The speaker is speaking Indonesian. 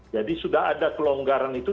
jadi sudah ada kelonggaran itu